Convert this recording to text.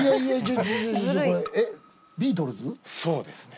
そうですね。